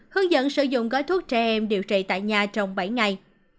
hướng dẫn sử dụng gói thuốc trẻ em điều trị tại nhà trong bảy ngày